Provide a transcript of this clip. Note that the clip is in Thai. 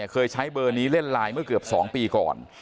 เคยใช้เบอร์นี้เล่นไลน์เมื่อเกือบ๒ปีก่อน